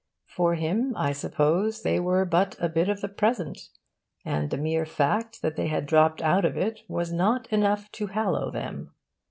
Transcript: For him, I suppose, they were but a bit of the present, and the mere fact that they had dropped out of it was not enough to hallow them.